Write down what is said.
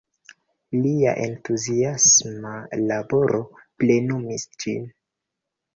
Lia entuziasma laboro plenumis ĝin.